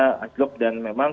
nah itu adalah aslog